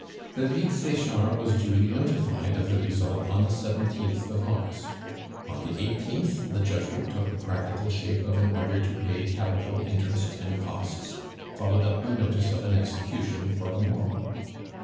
David Sechard was duly notified of the result on the 17th of August. On the 18th the judgment took the practical shape of an order to pay capital, interest, and costs, followed up by notice of an execution for the morrow.